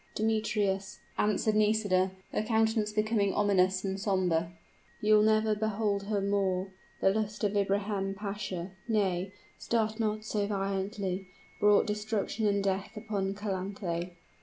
"Demetrius," answered Nisida, her countenance becoming ominous and somber, "you will never behold her more. The lust of Ibrahim Pasha nay, start not so violently brought destruction and death upon Calanthe!"